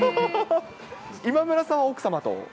今村さんは奥様と。